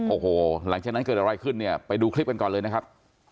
โอ้โหหลังจากนั้นเกิดอะไรขึ้นเนี่ยไปดูคลิปกันก่อนเลยนะครับ